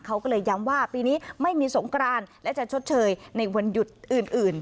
เขาก็เลยย้ำว่าปีนี้ไม่มีสงกรานและจะชดเชยในวันหยุดอื่น